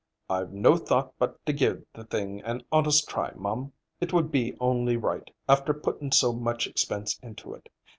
"I've no thought but to give the thing an honest try, mum. 'T would be only right, after puttin' so much expense into it.